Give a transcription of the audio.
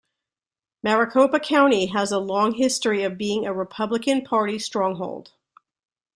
Maricopa County has a long history of being a Republican Party stronghold.